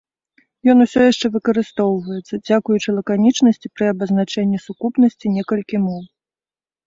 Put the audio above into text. Ён усё яшчэ выкарыстоўваецца, дзякуючы лаканічнасці пры абазначэнні сукупнасці некалькі моў.